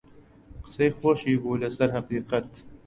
قسەی خۆشی بوو لەسەر حەقیقەت